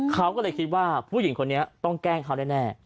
เขาก็เลยคิดว่าผู้หญิงคนนี้ต้องแกล้งเขาแน่